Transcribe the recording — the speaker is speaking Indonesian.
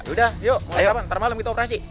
yaudah yuk mau kemana mana malem kita operasi